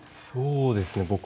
そうですね